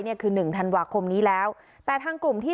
คือหนึ่งธันวาคมนี้แล้วแต่ทางกลุ่มที่